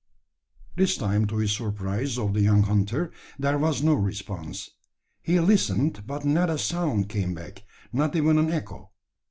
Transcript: This time, to the surprise of the young hunter, there was no response. He listened, but not a sound came back not even an echo.